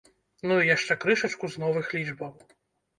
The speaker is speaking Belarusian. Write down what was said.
Ну і яшчэ крышачку з новых лічбаў.